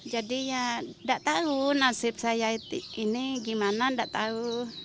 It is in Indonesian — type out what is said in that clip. jadi ya tidak tahu nasib saya ini gimana tidak tahu